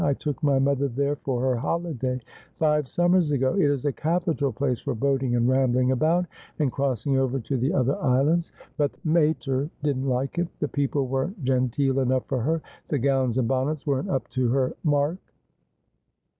' I took my mother there for her holiday five summers ago. It is a capital place for boating and rambling about, and crossing over to the 284 Asphodel. other islands : but the mater didn't like it. The people weren't genteel enough for her. The gowns and bonnets weren't up to her mark.'